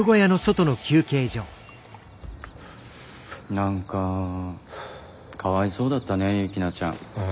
何かかわいそうだったねユキナちゃん。え？